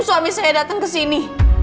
suami saya datang ke sini